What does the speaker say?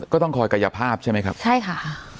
ก็ต้องคอยกายภาพใช่ไหมครับใช่ค่ะ